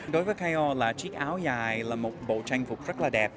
đối với kyo là chiếc áo dài là một bộ trang phục rất là đẹp